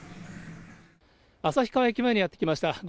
旭川駅前にやって来ました。